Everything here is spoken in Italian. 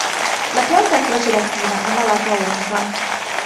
La pianta è a croce latina, a navata unica.